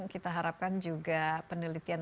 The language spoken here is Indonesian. kita harapkan juga penelitian